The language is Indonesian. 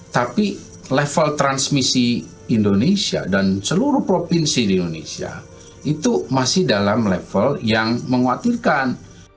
tapi level transmisi indonesia dan seluruh provinsi di indonesia itu masih dalam level yang mengkhawatirkan